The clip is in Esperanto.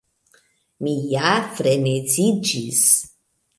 Mi ja freneziĝis.